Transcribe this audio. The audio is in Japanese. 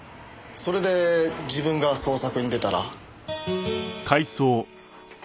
それで自分が捜索に出たら。